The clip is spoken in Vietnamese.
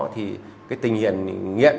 thì cái tình hiện nghiện